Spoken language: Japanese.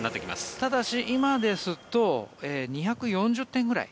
ただし今ですと２４０点ぐらい。